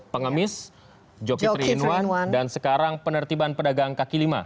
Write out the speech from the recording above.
pengemis jokitri inwan dan sekarang penertiban pedagang kaki lima